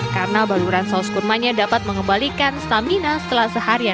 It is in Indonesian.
karena baluran saus kurnanya dapat mengembalikan stamina setelah seharian